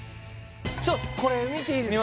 ちょっこれ見ていいですか？